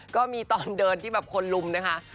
ก็มีตอนเดินที่แบบคนลุมนะคะ